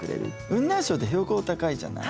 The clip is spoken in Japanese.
雲南省って標高高いじゃない？